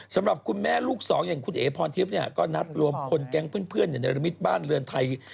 สำหรับคุณแม่ลูกสองอย่างคุณเอ๋พรทิพย์เนี่ยก็นัดรวมพลแก๊งเพื่อนในระมิตบ้านเรือนไทย